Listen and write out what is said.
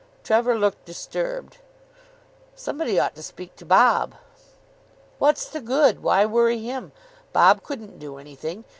Trevor looked disturbed. "Somebody ought to speak to Bob." "What's the good? Why worry him? Bob couldn't do anything.